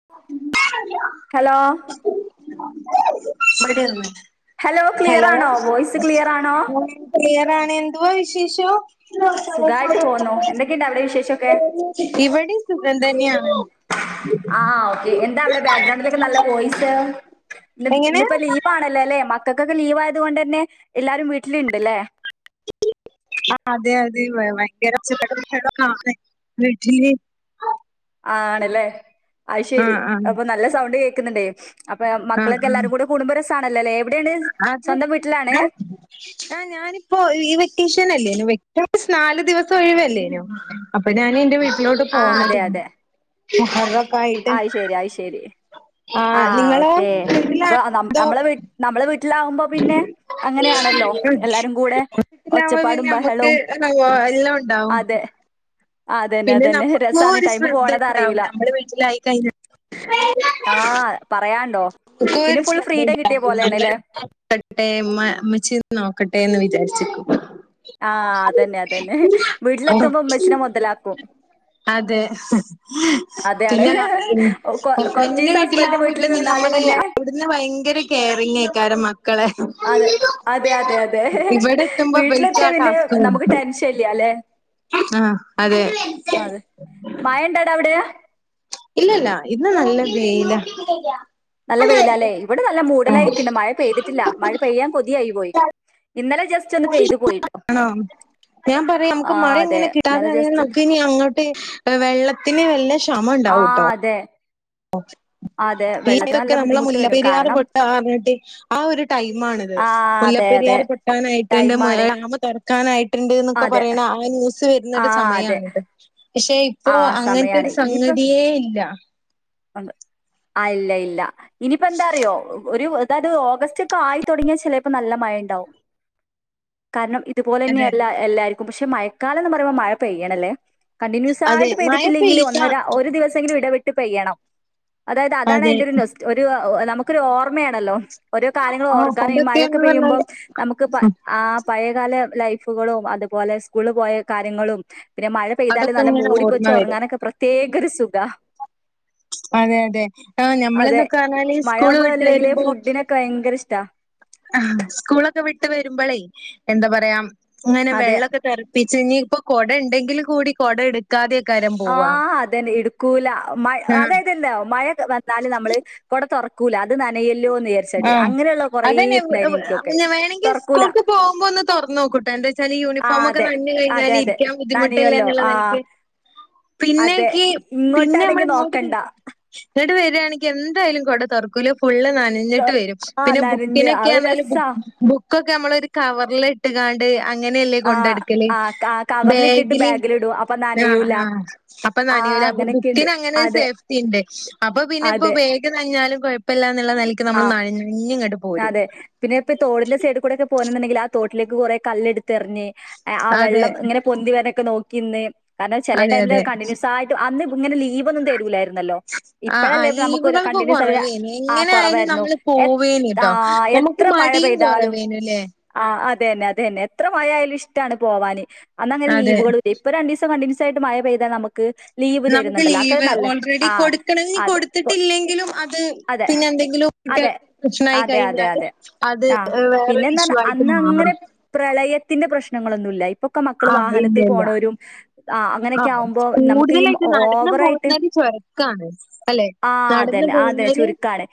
[unintelligible] Hello ഇപ്പേട്ടെര്ന്ന് clear hello ആണോ voice clear ആണോ ആഹ് ക്ലിയറാണ് എന്തുവാ വിശേഷം? സുഖായിട്ട് പോന്നു എന്തൊക്കെയുണ്ട് [unintelligible] അവിടെ വിശേഷൊക്കെ ഇവടിം സുഖം തന്ന്യാണ്. ആഹ് ഓക്കെ എന്താ അവടെ ബാക്ക്ഗ്രൗണ്ടിലൊക്കെ നല്ല വോയിസ് ഇന്ന് എങ്ങനെ ഇന്ന്പ്പോ ലീവാണല്ലോല്ലെ മ കക്കൊക്കെ ലീവായത് കൊണ്ടെന്നെ എല്ലാരും വീട്ട്ല്ണ്ട്ല്ലേ. ആഹ് അതെ യതെ ഭ ഭയങ്കര ഒച്ചപ്പ [unintelligible] വീട്ടില് ആണ്ല്ലേ അയ് ആ ശെരി ആ അപ്പൊ നല്ല സൗണ്ട് കേക്ക്ന്ന്ണ്ടേ അപ്പൊ എഹ് ആ ആ മക്കളൊക്കെല്ലാരും കൂടു കുടുബം രസാണല്ലോല്ലെ എവിടെണ് അത് [unintelligible] ആഹ് ഞാനിപ്പോ ഈ വെക്കേഷനല്ലേയ്നോ വെക്ക നമ്മക്ക്സ് നാല് ദിവസം ഒഴിവല്ലേനോ. അപ്പൊ ഞാൻ എന്റെ വീട്ടിലോട്ട് ആ പോന്നത് മുഹറം ആയി ശരി ആയി ശരി ആ ആഹ് നിങ്ങളോ ഓക്കെ അപ്പൊ വീട്ടിലാണോ ന അതോ? നമ്മളെ വി നമ്മളെ വീട്ടിലാകുമ്പോ പിന്നെ അങ്ങനെയാണല്ലോ എല്ലാരും ഒച്ചയാവുമ്പം കൂടെ പിന്നെ ഒച്ചപ്പാടും നമ്മക്ക് ബഹളവും എല്ലാം ഉണ്ടാവും അതെ അതന്നെ പിന്നെ അതന്നെ നമ്മക്കു രസാണ് ഒരു ടൈം ശ്രദ്ധ പോണത് ഉണ്ടാവും അറിയൂല നമ്മുടെ വീട്ടിലായി കഴിഞ്ഞാൽ ആഹ് പറയാണ്ടോ നമുക്കും പിന്നെ ഒരു ഫുൾ ഫ്രീെഡം കിട്ടിയ പോലെയാണ് അല്ലേ ട്ടെ മ്മ ഇമ്മച്ചീന്ന് നോക്കട്ടെ എന്ന് വിചാരിച്ച്ക്ക് ആഹ് അതന്നെ അതന്നെ വീട്ടിലെത്തുമ്പോ ഉമ്മച്ചീനെ മോതലാക്കും അതെ അതാണ് പിന്നെ ഈ കൊ പെണ്ണിൻ്റ കൊറച്ചീസം ഹസ്ബൻഡിന്റെ വീട്ടിലാവുമ്പ വീട്ടില് പിന്നെ നിന്നാല് നമ്മള് പിന്നെ അവിടുന്ന് ഭയങ്കര കെയറിങ്ങ് ആയിക്കാരം അവര് മക്കളെ അതെ അതെ അതെ അതെ ഇവിടെ എത്തുമ്പോ ഇവൽക്ക് ആ വീട്ടിലെത്തിയാ പിന്നെ നമുക്ക് ടെൻഷൻ ഇല്യാ അല്ലെ ആഹ് അതെ അതെ മയണ്ടടാ അവിടെ ഇല്ലില്ല ഇന്ന് നല്ല വേയില നല്ല വെയ്യിലാല്ലേ ഇവിടെ നല്ല മൂടലായ്ക്ക്ണ് മയ പെയ്തിട്ടില്ല മഴ പെയ്യാൻ കൊതിയായി പോയി ഇന്നലെ ജസ്സ്റ്റ് ആണോ ഞാൻ പറയാ നമുക്ക് ആ മഴ അതെ എങ്ങനെ ഇന്നലെ കിട്ടാതായാൽ ജസ്റ്റ് ഒന്ന് നമുക്കിനി അങ്ങ ട്ട് വെള്ളത്തിന് നല്ല ശ ആഹ് അതെ അതെ [inaudible] വെള്ളത്തിന് പീത്തക്കെ നല്ല നമ്മള ബുദ്ധിമുട്ട് വരും മുല്ലപ്പെരിയാറ് കാരണം പൊട്ട്ന്ന് പറഞ്ഞിട്ട് ആ ഒരു ടൈമാണിത് ആ അതെ അതെ മുല്ലപ്പെരിയാർ പൊട്ടാനായിട്ട്ണ്ട് മേ ടൈമാണ് ഡാമ് [unintelligible] ക്കാനായിട്ടുണ്ട് എന്നൊക്കെ അതെ പറയണ ആ ന്യൂസ് ആ വരുന്നൊരു അതെ സമയാണിത് പക്ഷെ ഇപ്പൊ ആ സമയാണ് അങ്ങനത്തെരു സംഗതിയേ ഇല്ല ആഹ് ഇല്ല ഇല്ല ഇനിയിപ്പ എന്താ അറിയോ ഒരു അതാത് ഓഗസ്റ്റ് ഒക്കെ ആയി തൊടങ്ങിയാ ചിലപ്പോ നല്ല മഴ ഉണ്ടാവും കാരണം ഇതുപോലെ തന്നെയാ അതെ എല്ലാ എല്ലാരിക്കും പക്ഷെ മയക്കാലം എന്ന് പറയുമ്പോ മഴ പെയ്യണല്ലേ അതെ കണ്ടിന്യൂസായിട്ട് മഴ പെയ്തിട്ടില്ലെങ്കിൽ പെയ്ത ഒന്നര ഒരു ദിവസെങ്കിലും ഇടവിട്ട് പെയ്യണം അതായത് അതാണ് അതെ അതിന്റെ ഒരു നൊസ്റ്റു ഒരു നമുക്കൊരു ഓർമ്മയാണല്ലോ ഓരോ കാര്യങ്ങൾ ആ ഓർക്കാനെ ഈ മഴക്കെ പണ്ടൊക്കെന്ന് പെയ്യുമ്പം പറഞ്ഞാല് നമുക്ക് പ ഉം ആ പഴയകാല ലൈഫുകളും അതുപോലെ സ്കൂളിൽ പോയ കാര്യങ്ങളും പിന്നെ മഴ പെയ്താൽ അതൊക്കെ നല്ല ഇങ്ങനെ മൂടി ഓർമ്മ പൊതച്ച് വരും ഉറങ്ങാനക്കെ പ്രത്യേക ഒരു സുഖ അതെ അതെ ആഹ് അതെ ഞമ്മളെന്നൊക്കെ പറഞ്ഞാല്ല് സ്കൂൾ വിട്ട് വരുമ്പോ ക്ക് ഭയങ്കര ഇഷ്ട്ടാ അഹ് സ്കൂളൊക്കെ വിട്ട് വരുമ്പളെ എന്താ പറയാ ഇങ്ങനെ അതെ വെള്ളക്കെ തെറി പ്പിച്ച് ഇനിപ്പൊ കൊട ഇണ്ടെങ്കിൽ കൂടി കൊട എടു ക്കാതെകാരം ആഹ് അതന്നെ എടുക്കൂല മഴ ആഹ് അതായതല്ലാ മഴ നാല്ല് നമ്മള് കൊട തൊറക്കൂല്ല അത് നനയൂല്ലോന്ന് വിയാരി ചിട്ട് ആഹ് അങ്ങനെയുള്ള കൊറെ ഇത് അതന്നെ ഇണ്ടായിന് എനിക്കൊക്കെ പിന്നെ വേണെങ്കി തൊറക്കൂല്ല സ്കൂൾക്ക് പോകുമ്പോ ഒന്ന് തൊറന്നോക്കൂട്ടോ എന്താച്ചാല് ആഹ് യൂണിഫോമൊക്കെ അതെ നനഞ്ഞ് അതെ കഴിഞ്ഞാല് അതെ ഇരിക്കാൻ ബുദ്ധിമുട്ടല്ലേ നനയൂല്ലോ എന്നുള്ള ആഹ് നെലക്ക് പിന്നേക്ക് പിന്നെ നമ്മള് ഇങ്ങോട്ട് നോക്കണ്ട. വരും ഇങ്ങട്ട് വര്വാണെങ്കി എന്തായാലും കൊട തൊറക്കൂലോ ഫുള്ള് നനഞ്ഞ് വരും ആഹ് പിന്നെ നനഞ്ഞ് ബുക്കിനൊക്കെ അത് ആണെൽ രസാ. ബുക്കൊക്കെ നമ്മള് ഒരു കവറിൽ ഇട്ട്ങ്ങാണ്ട് അങ്ങനെയല്ലേ കൊണ്ട് ആഹ് നടക്കല്ല് ആഹ് ക കവറിലിട്ടിട്ട് ബാഗില്ല് ബാഗിലിടും. അപ്പൊ ആഹ് നനയൂല. ആഹ് അപ്പ ആഹ് നനയൂല ബു അങ്ങനൊക്കെയിണ്ട്. ബുക്കിന് അങ്ങനൊരു അതെ സേഫ്റ്റി ഇണ്ട് അപ്പൊ പിന്നെ ഇപ്പോ അതെ ബാഗ് ഗ് നനഞ്ഞാലും കൊഴപ്പല്ല എന്നുള്ള നെലയ്ക്ക് നമ്മള് ആഹ് നനഞ്ഞ് ഇങ്ങട് പോരും അതെ. പിന്നെ ഇപ്പ ഈ തോടിന്റെ സൈഡി കൂടെയൊക്കെ പോരണെന്നുണ്ടെങ്കില് ആ തോട്ടിലേക്ക് കൊറെ കല്ലെടുത്ത് എറിഞ്ഞ് ആ അതെ വെള്ളം ഇങ്ങനെ പൊന്തി വരണേക്കെ നോക്കി നിന്ന് കാരണം ചെല അതെ ടൈമില് അതെ കണ്ടിന്യൂസായിട്ട് അന്നിങ്ങനെ ലീവ് ഒന്നും തരൂലാർ ന്നല്ലോ ഇപ്പഴല്ലേ നമുക്ക് ഒരു കണ്ടിന്യൂസ് [unintelligible] ഇങ്ങന് കൊറവായിരുന്നു എത് ആഹ് നമുക്ക് എത്ര മഴ മടിയും പെയ്താലും കുറവേനുല്ലേ ആഹ് അതന്നെ അതന്നെ എത്ര മഴ ആയാലും ഇഷ്ട്ടാണ് പോവാന് അന്ന് അങ്ങനെ അതെ ലീവുകളും ഇല്ലേ ഇപ്പൊ രണ്ടീസം കണ്ടിന്യൂസ് സായിട്ട് മഴ പെയ്താ നമുക്ക് ലീവ് നമുക്ക് തരുന്നുണ്ടല്ലോ അതൊക്കെ ലീവ് നല്ല ഓൾറെഡി ആഹ് കൊടുക്കണം ഇനി അതെ പോ കൊടുത്തിട്ടില്ലെങ്കിലും അത് അതെ പിന്നെ എന്തെങ്കിലും അതെ കുട്ടികൾക്ക് പ്രശ്നമായി അതെ അതെ കഴിഞ്ഞാല് അതെ അത് ആഹ് ഏഹ് വേറൊരു പിന്നേന്ന് ഇഷ്യൂ പറഞ്ഞാ ആയിട്ട് അന്ന് മാറും അങ്ങനെ പ്രളയത്തിന്റെ പ്രശ്നങ്ങളൊന്നുല്ലാ ഇ ഇപ്പൊക്കെ മക്കള് ആഹ് ഇല്ല വാഹനത്തിൽ ഇല്ല പോണവരും ആഹ് ആ അങ്ങനക്കെ ആവുമ്പോ നമുക്ക് ഈ കൂടുതലായിട്ട് നടന്നു ഓവറായിട്ട് പോകുന്നവര് ചുരുക്കാണ് അല്ലെ? ആഹ് നടന്നു അതന്നെ ആതേ പോകുന്നവര് ചുരുക്കാണ്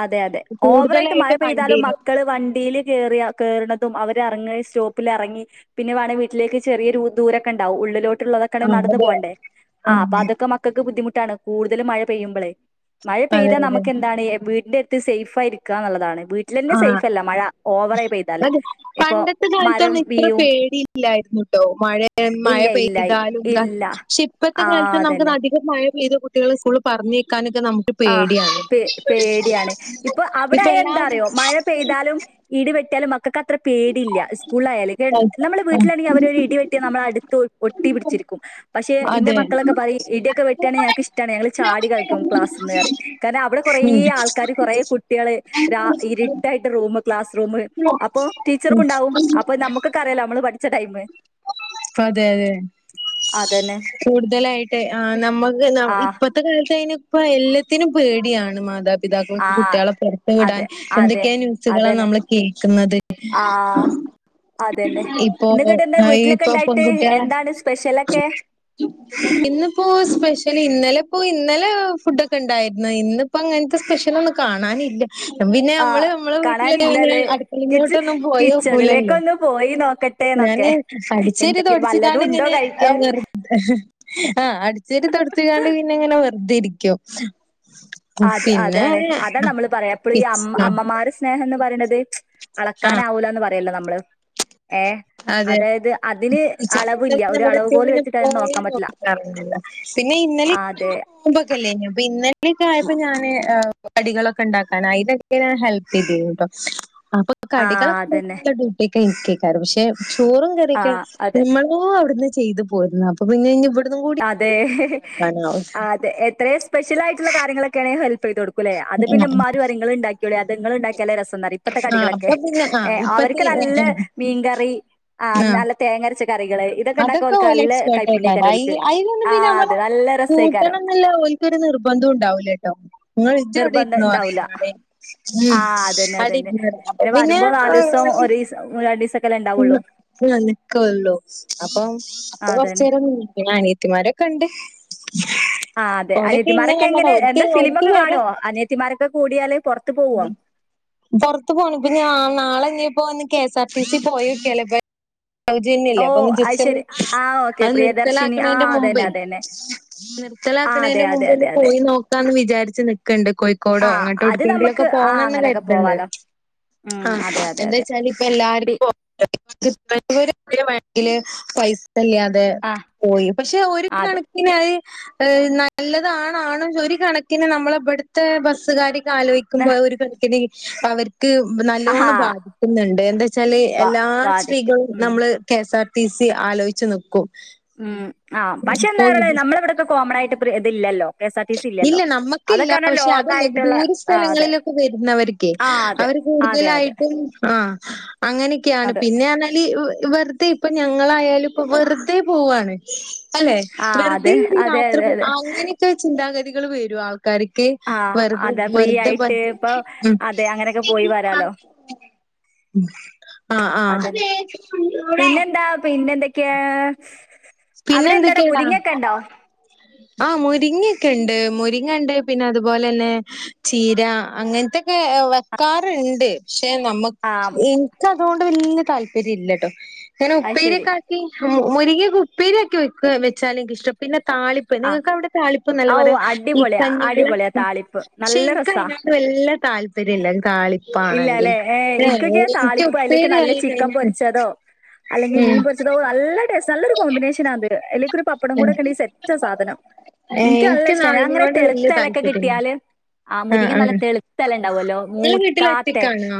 അതെയതെ ഓവറായിട്ട് മഴ കൂടുതലായിട്ട് പെയ്താലും വണ്ടിയില് മക്കള് വണ്ടീല് കേറിയ കേറണതും അവര് എറങ്ങണെ സ്റ്റോപ്പില് എറങ്ങി പിന്നെ വാണങ്കി വീട്ടിലേക്ക് ചെറിയൊരു ദൂരക്കെ ഇണ്ടാവും ഉള്ളിലോട്ടുള്ളതെ ആ [unintelligible] നടന്ന് അതെ പോണ്ടേ ആ ആഹ് അപ്പൊ അതൊക്കെ മക്കക്ക് ബുദ്ധിമുട്ടാണ് കൂടുതലും മഴ പെയ്യുമ്പളേ മഴ അതെ പെയ്താ അതെ നമുക്കെന്താണ് വീട്ന്റെകത്ത് സേ്യ്ഫ് ആയിരിക്കാന്നുള്ളതാണ് വീ ട്ട്ലന്നെ ആ സേയ്ഫ് അല്ല മഴ ഓവറായി പെയ്താല് അതെ ഇപ്പൊ മരം വീയും ഇല്ലായിരുന്നുട്ടോ മഴേ മഴ ഇല്ല പെയ്താലും എന്താ ഇല്ല. പക്ഷെ ഇപ്പത്തെ ആ കാലത്ത് നമുക്ക് അതന്നെ. നാട്ടി [unintelligible] മഴ പെയ്തു കുട്ടികള് സ്കൂളില് പറഞ്ഞേക്കാനൊക്കെ നമുക്ക് ആഹ് പേടിയാണ്. പേ പേടിയാണ് ഇപ്പൊ അവിടെ ആയ എന്താറിയോ മഴ പെയ്താലും ഇടി വെ ട്ടിയാലും മ [unintelligible] അത്ര പേടില്ല സ്കൂളിലായാല് കേ ആ, നമ്മള് വീട്ടിലാണെങ്കി അവര് ഒരു ഇടി വെട്ടിയ നമ്മള അടുത്ത് ഒ ഒട്ടി പിടിച്ചിരിക്കും പക്ഷെ ഇന്റെ അതെ മക്കളൊക്കെ പറയും ഇ ഇടിയൊക്കെ വെട്ടണെ ഞങ്ങക്ക് ഇഷ്ട്ടാണ് ഞങ്ങള് ചാടി കളിക്കും ക്ലാസ് [unintelligible] കാരണം അവ്ടെ കൊറേ ഉം ആൾക്കാര് കൊറേ കുട്ട്യള് രാ ഇരുട്ട [unintelligible] ആയിട്ട് റൂമ് ക്ലാസ് റൂമ് അപ്പൊ ടീച്ചർക്കുണ്ടാവും അപ്പൊ നമുക്കൊക്കെ അറിയാലോ അമ്മള് പഠിച്ച ടൈമ് അതെയതെ അതന്നെ കൂടുതലായിട്ട് ആഹ് നമ്മക്ക് ന ആഹ് ഇപ്പ ത്തെ കാലത്തയ്ന് ഇപ്പ എല്ലത്തിനും പേടിയാണ് മാതാപിതാക്കൾക്ക് ആഹ് കുട്ട്യളെ പൊറത്തു വിടാൻ അതെ അതെ എന്തെക്കെ ന്യൂസുകളാ അതന്നെ നമ്മള് കേക്ക്ന്നത് ആഹ് അതന്നെ ഇപ്പൊ എന്നിട്ട് എന്താ ആഹ് ഈ വീട്ടിലൊക്കെ ഇപ്പൊ ഇണ്ടായിട്ട് പെൺകുട്ട്യളെ എന്താണ് സ്പെഷ്യലൊക്കെ? ഇന്ന്പ്പോ സ്പെഷ്യല് ഇന്നലെപ്പോ ഇന്നലേ ഫുഡൊക്കെ ഇണ്ടായിരുന്ന് ഇന്ന് ഇപ്പ അങ്ങനത്തെ സ്പെഷ്യലൊന്നും കാണാനില്ല പിന്നെ അമ്മള് ആഹ് അമ്മള വീട്ടിലെത്തിയാ പിന്നെ കാണാനില്ലല്ലേ? കിച്ച് അടുക്കളയിലോട്ടൊന്നും പോയി നോക്കൂലല്ലോ കിച്ചണിലേക്കൊന്ന് പോയി നോക്ക ഞാന് അടിച്ച് വാരി തൊടച്ച്ങ്ങാണ്ട് ഉണ്ടോ ഇങ്ങനെ കഴിക്കാൻ? വെർ ആഹ് അടി ച്ച് വാരി തൊടച്ച്ങ്ങാണ്ട് പിന്നെ ഇങ്ങനെ വെറുതെ ഇരിക്കും ആഹ് അത് അതാണ് അതാ പിന്നെ നമ്മള് പറയാ എപ്പളും ഈ അമ്മ ആഹ് അമ്മമാര് സ് സ്നേഹാന്ന് പറയണത് ആഹ് അളക്കാനാവൂലാന്ന് പറയല്ലോ നമ്മള് ഏഹ് അതെ അതായത് അതിന് ചെലോട്ടം അളവില്ല ഒരു നമ്മളൊക്കെ അളവ്കോല് ഇങ്ങനെ വെച്ചിട്ട് അതിന് പോയി നോക്കാൻ പറ്റില്ല നോക്കാറുണ്ടല്ലോ പിന്നെ ഇന്നലെ അതെ നോമ്പകല്ലേനു അപ്പ ഇന്നലേക്ക ആയപ്പോ ഞാന് ആഹ് കടികളൊക്കെ ണ്ടാക്കാനായി [unintelligible] ക്കെ ഞാൻ ഹെൽപ്പെയ്തിരുന്നു ട്ടോ അപ്പൊ ആഹ് കടികളൊക്കെ അതന്നെ ഉണ്ടാക്കാള്ള ഡ്യൂട്ടിയൊക്കെ ഇനിക്കേക്കാരം പക്ഷെ ചോറ് കറിക്കെ ആഹ് അതെ നമ്മളോ അവിട്ന്ന് ചെയ്ത് പോയിരുന്ന അപ്പൊ പിന്നഞ്ഞ് ഇവ് അതേഅതെ എത്രേസ് പെഷ്യലായിട്ടുള്ള കാര്യങ്ങളൊക്കെണെ ഹെൽപീതു കൊടുക്കു അല്ലേ അത് പിന്നെഇമ്മാര് പറീം ഇങ്ങളൾണ്ടാ ക്കളീ അതുങ്ങള്ണ്ടാക്കിയാലാ രസംന്നറി ഇപ്പത്തെ ആഹ് കടികളൊക്കെ അപ്പൊ പിന്നെ ആഹ് ഏഹ് അവർക്ക് ഇപ്പത്തെ നല്ല മീൻകറി ആഹ് നല്ല തേങ്ങരച്ച കറികള് ഇതൊക്കെണ്ടാക്കാ അതൊക്കെ ഓൽക്ക് ഓല് നല്ല എക്സ്പേർട്ട് ആയിക്കാരം കൈപ്പുണ്യെകാരം അയി ഓൽക്ക് ആഹ് അത് നല്ല രസേകാരം നല്ല ഓൽക്കൊരു നിർബന്ധം ഉണ്ടാവൂലേട്ടോ ഇങ്ങള് ഇജ്ജ് നിർബന്ധം എവടെന്നുഅറീ ഇണ്ടാവൂല ഏടെ ഉം ആഹ് അതന്നെ അടി അതന്നെ പിന്നെ ഏഹ് ഓ രണ്ടീസം ഉം അന്നേ നിക്കൊള്ളൂ അപ്പം അപ്പൊ ആഹ് അതന്നെ കൊറച്ചേരം പിന്നെ അനിയത്തിമാര് ക്കണ്ട് ആഹ് അതെ അനിയത്തിമാരൊക്കെ എങ്ങനെ എന്താ ഓൽക്ക് ഫിലിമൊക്കെ വരെ കാണോ അനിയത്തിമാരൊക്കെ കൂടിയാല് പുറത്ത് പോവോ പുറത്ത് പോണ ഇപ്പ ഞാ നാളെ നയിപ്പോ ഒന്ന് കെഎസ് ആർ ടിസിി പോയക്കാലേ സൗജര്യ ഇല്ലേ ഓഹ് അപ്പൊജെസ്റ്റ് ഒന്ന് അയ്ശരി ആഹ് ഓക്കെ അത് പ്രിയദർശിനി നിർത്തലാക്കണതിന്റെ ആഹ് മുമ്പേ അതന്നെ അതന്നെ ആ അതെ നിെർക്കലാക്കണേന്റെ അതെ മുമ്പ് ഒന്ന് അതെ അതെ പോയി നോക്കാ എന്ന് വിചാരിച്ച് നിക്കക്കുന്നുണ്ട് കോഴിക്കോടോ ആ അത് അങ്ങോട്ട്ടുക്കെങ്കിലും നമുക്ക് ആ പോണം ന്ന് അങ്ങനെയൊക്കെ കരുതുണ്ട് പോവാലോ ഉം അതെ അതെ അതെ എന്തേച്ചാൽ ഇപ്പൊ എല്ലാർ പി [unintelligible] അല്ലാതെ ആ പോയി പക്ഷെ ഒരു അതെ കണക്കിന് അത് നല്ലതാണാണോ ഒരു കണക്കിന് നമ്മള ഇവിടുത്തെ ബസ്സുകാരക്ക് ആലോചിക്ക പോ ഒരു കണക്കിന് അവർക്ക് ആഹാ നല്ലോണം ബാധിക്കുന്നുണ്ട് എന്താ വച്ചാല് വാ എല്ലാ ബാധിക്കും സ്ത്രീകളും ഉം നമ്മള് K S R T C ആലോചിച്ചുനിക്കും ഉം ആഹ് പക്ഷെ എന്ത നമ്മള ഇവിടെയൊക്കെ കോമൺ ആയിട്ട് ഇതില്ലല്ലോ K S R T C ഇല്ല ഇല്ലല്ലോ നമ്മക്കില്ല അതൊക്കെ പറഞ്ഞാ പക്ഷെ ലോങ് അതല്ല ആയിട്ടുള്ള ദൂര ആ അതെ സ്ഥലങ്ങളിലൊക്കെ വരുന്നവർ ആ അതെ അവർ അതെ അതെ കൂടുതലായിട്ടും ആഹ് അങ്ങനെയൊക്കെയാണ് അതെ പിന്നെ പറഞ്ഞാല് വെ ഇപ്പൊ ഞങ്ങളായാലും ഇപ്പൊ വെറുതെ പോവാണ് അല്ലെ ആ വെറുതെ അതെ ഒരു അതെ യാത്ര അതെ അതെ അങ്ങനെയൊക്കെ ചിന്താഗതികൾ വരും ആൾക്ക കാർക്ക് ആ അതെ ഫ്രീ വെറ്തെ ആയിട്ട് ഇപ്പൊ അതെ അങ്ങനെയൊക്കെ പോയി വരാലോ [unintelligible] ആഹ് ആഹ് പിന്നെ എന്തൊക്കെ പിന്നെന്തൊക്കെയാടാ മുരിങ്ങൊക്കെ ഉണ്ടോ ആഹ് മുരിങ്ങൊക്കെ ഉണ്ട് മുരിങ്ങ ഉണ്ട് പിന്നെ അതുപോലെ തന്നെ ചീര അങ്ങനത്തൊക്കെ കാറണ്ട് പക്ഷെ നമുക്ക് ആ ഇൻക്ക് അതുകൊണ്ട് വലിയ താല്പര്യം ഇല്ലട്ടോ ങ്ങനെ അത് ശരി ഉപ്പേരിയൊക്കെ മുരിങ്ങക്കുപ്പേരി ഒക്കെ വക്ക വെച്ചാലും എനിക്ക് ഇഷ്ടം പിന്നെ താളി ആ നിങ്ങക്ക് അവിടെ തളിപ്പംന്നല്ല ഔ പറയാ ഈ അടിപൊളിയാ കഞ്ഞിവെള്ളം അടിപൊളിയാ താളിപ്പ് നല്ല രസാ പക്ഷെനി വല്ലാ താല്പര്യം ഇല്ല താളി ഇല്ല അല്ലെ ഏ എനിക്കൊക്കെ താളിപ്പ അല്ലേക്ക് ഉപ്പേരി നല്ല ആയി ചിക്കൻ കഴിഞ്ഞാൽ പൊരിച്ചതോ അല്ലെങ്കിൽ ഉം മീൻ പൊച്ചതൊ നല്ല ടേസ്റ്റ് നല്ലൊരു കോമ്പിനേഷൻ അത്‌ അയ്ലേക്കൊരു പപ്പടം ഉം കൂടെ ഒക്കെണ്ടങ്കി സെറ്റ സാധനം ഏ എനിക്ക് നല്ല ഇഷ്ട ഞാൻ അങ്ങനെ അതിനോട് വലിയ തെളുത്തലൊക്കെ താല്പര്യമില്ല കിട്ടിയാല് ആഹ് ആ മുരിങ്ങ ആ നല്ല തെളുത്തല ഉണ്ടാവല്ലോ മൂ നിങ്ങള് വീട്ടിൽ കാത്തെ ഒറ്റക്കാണോ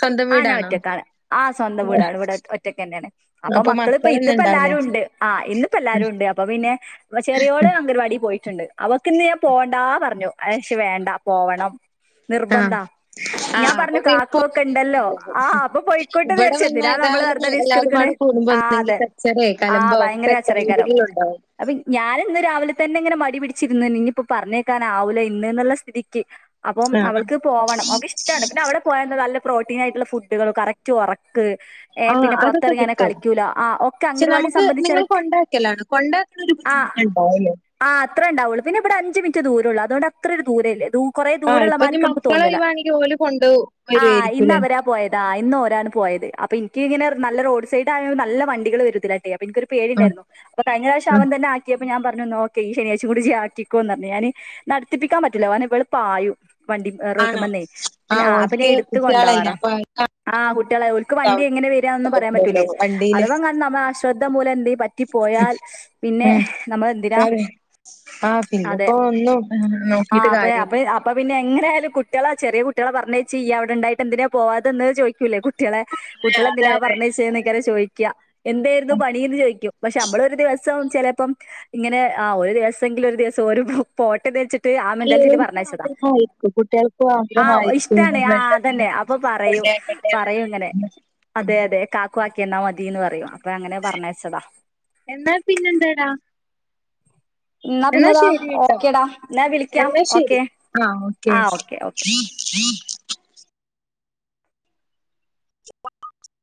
സ്വന്തം ആ ഞാൻ വീടാണോ ഒറ്റക്കാണ് ആ സ്വന്തം വീടാണ് ഇവിടെ ഒറ്റക്ക് തന്നെയാണ് അപ്പൊ മക്കളിപ്പ മക്കളൊന്നും ഉണ്ടാവില്ലേ ഇത്പ്പല്ലാരുംണ്ട്. ആഹ്, ഇന്നിപ്പോ എല്ലാരുംണ്ട്. അപ്പൊ പിന്നെ വ ചെറിയോള് അംഗര് വാടി പോയി ണ്ട് അവക്ക് ഇന്ന് ഞാൻ പോണ്ടാ പറഞ്ഞു അയ് പക്ഷേ വേണ്ട പോവണം. നിർബന്ധാ ആഹ് ഞാൻ അപ്പൊ പറഞ്ഞു പിന്നെ കാക്കൊക്കെ പോവന്നെ ഉണ്ടല്ലോ നല്ലത്. ആ അപ്പൊ പോയിക്കോട്ടെന്ന് ഇവടെ വിചാരിച്ചു വന്നാ എന്തിനാ നമ്മള് ഏതാലും ന വെറുതെ റിസ്ക് എല്ലാരും എടുക്കണ് പാടെ കൂടുമ്പോ ആ ഒന്നെങ്കി അതെ കച്ചറേ ആ കലമ്പോ ഭയങ്കര [unintelligible] കച്ചറേക്കാരം ങ്കിലും ഉണ്ടാവും. അപ്പൊ ഞാന് ന്ന് രാവിലെ തന്നെങ്ങനെ മടി പിടിച്ചിര്ന്ന്ർഞ്ഞി ഞ്ഞിപ്പോ പർഞ്ഞേക്കാനാവൂല ഇന്ന്ന്ന്ള്ള സ്ഥിതിയ്ക്ക് അപ്പം ആ അവൾക്ക് പോവണം ഓക്കിഷ് അവടെ പോയാന്താ നല്ല പ്രോട്ടീനായിട്ട്ള്ള ഫുഡ്കൾ കറക്റ്റ് ഒറക്ക് ആഹ് അതൊക്കെ കിട്ടും. ഒക്കെ പക്ഷെ അംഗൻവാടി നമുക്ക് നിങ്ങൾ സംബന്ധിച്ച കൊണ്ടാക്കലാണ് കൊണ്ടാ ആ ഒര് ബുദ്ധിമുട്ടേണ്ടാവല്ലേ ആഹ് അത്രേണ്ടാവൊള്ളൂ പിന്നെവടെ അഞ്ച് മിൻറ്റേ ദൂരൊള്ളൂ അതോണ്ടത്രരു ദൂരേല്ല്യ. ദൂ കുറേ ആ ഇപ്പൊ ഇനി ദൂരള്ളമാര്ക്ക് അമക്ക് മക്കളെ തോന്നൂല്ലാ [unintelligible] ഓല് കൊണ്ടോവു ആഹ് ഇന്നവരാ പോയതാ ഇന്നോരാണ് പോയത്. അപ്പൊ ഇൻക്കിങ്ങനെ നല്ല റോഡ് സൈഡായോണ്ട് നല്ല വണ്ടികള് വെരും ഇതിലാട്ടെ. ഇൻക്കൊരു ആ പേടിണ്ടായിരുന്നു. അപ്പൊ കഴിഞ്ഞറാശം ആ അവൻ തന്നെ ആക്കിയപ്പോ ഞാൻ പർഞ്ഞു നോ ഈ ശനിയാഴ്ച്ചിം കൂടി ജി ആക്കിക്കോന്നർ ഞ്ഞി ഞാന് നട്ത്തിപ്പിക്കാൻ പറ്റൂല്ല [unintelligible] വള് പായും വണ്ടി ഏയ് ആണോ റോട്ട്മ്മന്നേ ആ പിന്നെ ആഹ് അപ്പം ഞാ ഓർക്ക് ഇടുത്ത് കുട്ടികളല്ലേ കൊണ്ടാവാറാ അപ്പൊ ആഹ് കുട്ട്യെളെ ഓൽക്ക് വണ്ടി ഉണ്ടാവില്ലല്ലോ എങ്ങനെ വെരാന്ന് പറയാൻ പറ്റൂലേയ്. അഥവാങ്ങാനും നമ്മ ആശ്രദ്ധ മൂലം എന്തേം പ ഉം, ഉം എന്തിനാ [unintelligible] ആഹ് അതെ പിന്നെപ്പോ ഒന്നു നോ ആ ക്കീട്ട് അപ്പ കാര്യല്ല അപ്പ പിന്നെ എങ്ങനായാലും കുട്ട്യെളെ ചെറിയ കുട്ട്യെളെ പറഞ്ഞേച്ചീ യ്യവടെണ്ടായിട്ടെന്തിനേ പോവാതെന്നത് ചോയിക്കൂല്ലേ കു ട്ട്യെളെ അതെ കുട്ട്യെളെന്തിനാ അതെ പർഞ്ഞെയ്ച്ചേ ന്നെയ്ക്കാരം ചോയിക്കാ. എന്തേര്ന്നു അതെ പണീന്ന് ചോയിക്കും. പക്ഷെ അമ്മളൊരു ദിവസം ചെലേപ്പം ഇങ്ങനെ ആഹ് ഒരു ദിവസെങ്കിലൊരു ദിവസം ഓരു പോ പോട്ടെന്നേര്ച്ച് അല്ല ഓൽക്കു [unintelligible] കുട്ട്യാൾ [unintelligible] ആ ആഗ്രഹമായിരിക്കും ഇഷ്ടാണ് ആ അതന്നെ അപ്പൊ പറയും പറയും ഇങ്ങനെ [unintelligible] അതെ അതെ കാക്കു ആക്കി എന്നാ മതീന്ന് പറയും അപ്പൊ അങ്ങനെ പർ ഞ്ഞേച്ചതാ. എന്നാൽ പിന്നെന്താടാ ന്നാ എന്നാ പിന്നെതാ ശരി ട്ടോ ഓക്കേടാ ന്നാ വിളിയ്ക്കാ, എന്നാ ഓക്കെ ശരി ആ ഓക്കെ ആഹ് ഓക്കെ ഓക്കേ ഓക്കേ. [unintelligible]